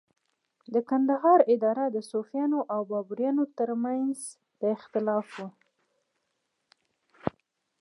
د کندهار اداره د صفویانو او بابریانو تر منځ د اختلاف وه.